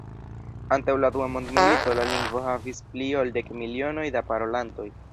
Antaŭ la dua mondmilito, la lingvo havis pli ol dek milionoj da parolantoj.